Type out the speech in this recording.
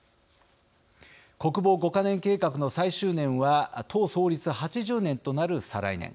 国防５か年計画の最終年は党創立８０年となる再来年。